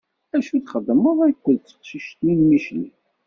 Acu i txeddmeḍ akked teqcict-nni n Micli?